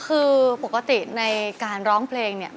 คือปกติในการร้องเพลงเนี่ย